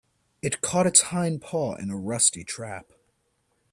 It caught its hind paw in a rusty trap.